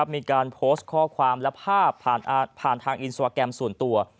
มีการโพสต์ข้อความและภาพผ่านทางอินสตราแกรมส่วนตัว